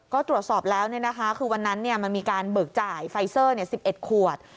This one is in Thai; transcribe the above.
ก็ตรวจสอบแล้วคือวันนั้นมันมีการเบิกจ่ายไฟเซอร์๑๑ขวด